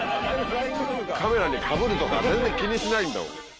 カメラにかぶるとか全然気にしないんだもん。